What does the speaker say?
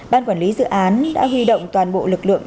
ban quản lý dự án đã huy động toàn bộ lực lượng